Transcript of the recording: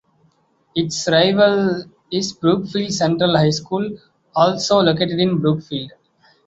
Its rival is Brookfield Central High School, also located in Brookfield.